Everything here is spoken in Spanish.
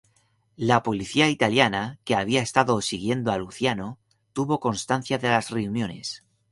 La policía italiana, que había estado siguiendo a Luciano, tuvo constancia de las reuniones.